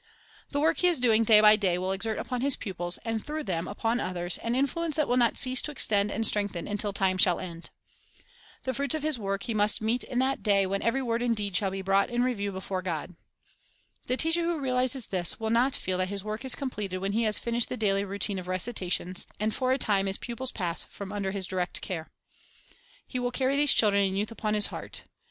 The work he is doing day by day will exert upon his pupils, and through them upon others, an influence that will not cease to extend and strengthen until time shall end. The fruits of his work he must meet in that great day when every word and deed shall be brought in review before God. The teacher who realizes this will not feel that his work is completed when he has finished the daily rou tine of recitations, and for a time his pupils pass from under his direct care. He will carry these children and youth upon his heart.